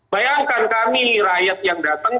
bayangkan kami rakyat yang datang